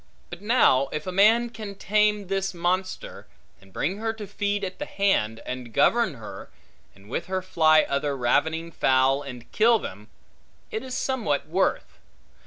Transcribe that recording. But now, if a man can tame this monster, and bring her to feed at the hand, and govern her, and with her fly other ravening fowl and kill them, it is somewhat worth.